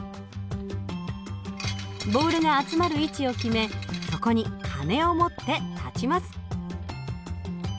ボールが集まる位置を決めそこに鐘を持って立ちます。